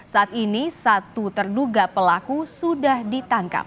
saat ini satu terduga pelaku sudah ditangkap